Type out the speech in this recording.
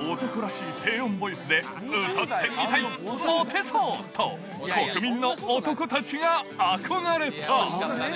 男らしい低音ボイスで歌ってみたい、モテそうと、国民の男たちが憧れた。